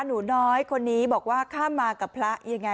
หนูน้อยคนนี้บอกว่าข้ามมากับพระยังไง